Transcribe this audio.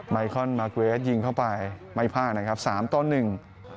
ไยคอนมาร์เกรสยิงเข้าไปไม่พลาดนะครับสามต่อหนึ่ง